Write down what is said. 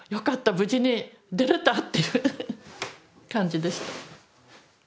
無事に出れたっていう感じでした。